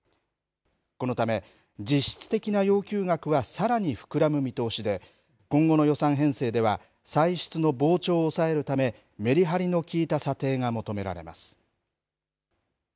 このため、実質的な要求額はさらに膨らむ見通しで、今後の予算編成では、歳出の膨張を抑えるため、メリハリのきいた査定が求められます。